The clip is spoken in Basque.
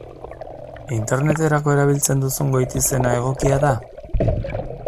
Interneterako erabiltzen duzun goitizena egokia da?